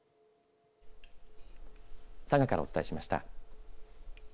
佐賀からお伝えしました。